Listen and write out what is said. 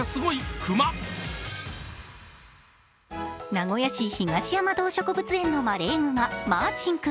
名古屋市東山動植物園のマレーグマ、マーチン君。